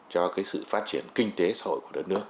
cho cái sự phát triển kinh tế xã hội của đất nước